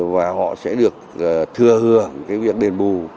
và họ sẽ được thừa hưởng việc đền bù